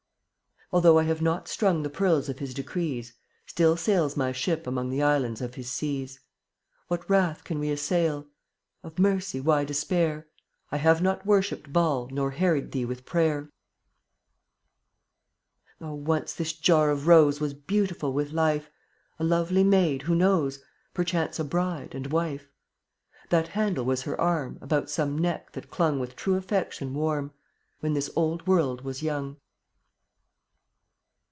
72 Although I have not strung The pearls of His decrees, Still sails my ship among The islands of His seas. What wrath can we assail? Of mercy why despair? I have not worshipped Baal Nor harried Thee with prayer. 0un<j Oh, once this jar of rose dtVitAt* Was beautiful with life, m A lovely maid — who knows? (tyC/ Perchance a bride and wife. That handle was her arm About some neck that clung With true affection warm, When this old world was young.